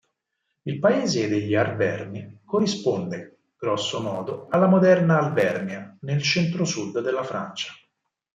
Il "paese degli Arverni" corrisponde, grosso modo, alla moderna Alvernia, nel centro-sud della Francia.